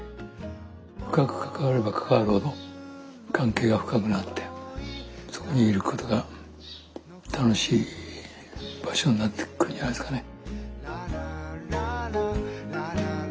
深く関われば関わるほど関係が深くなってそこにいることが楽しい場所になっていくんじゃないですかね。